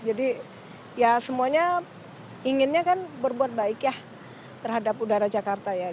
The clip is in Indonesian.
jadi ya semuanya inginnya kan berbuat baik ya terhadap udara jakarta ya